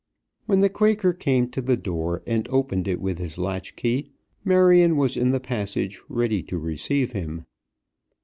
When the Quaker came to the door, and opened it with his latch key, Marion was in the passage ready to receive him.